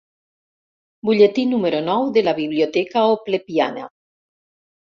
Butlletí número nou de la «Biblioteca Oplepiana».